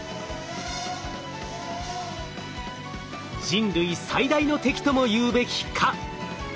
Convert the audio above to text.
人類最大の敵ともいうべき蚊。